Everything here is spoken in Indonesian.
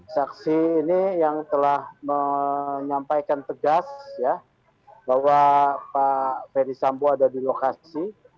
saksi ini yang telah menyampaikan tegas ya bahwa pak ferdi sambo ada di lokasi